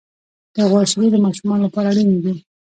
د غوا شیدې د ماشومانو لپاره اړینې دي.